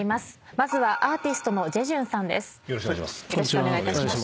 まずはアーティストのジェジュンさんです。